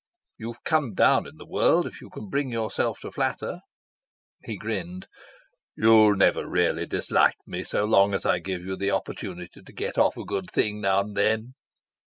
"You've come down in the world if you can bring yourself to flatter." He grinned. "You'll never really dislike me so long as I give you the opportunity to get off a good thing now and then."